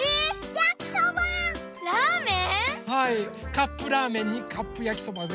カップラーメンにカップやきそばでございます。